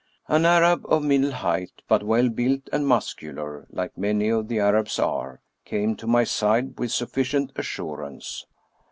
An Arab of middle height, but well built and muscular, like many of the Arabs are, came to my side with sufficient assurance.